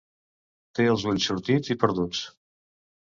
Té els ulls sortits i perduts.